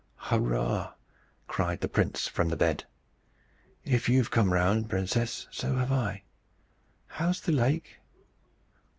"Hurrah!" cried the prince from the bed. "If you've come round, princess, so have I. How's the lake?"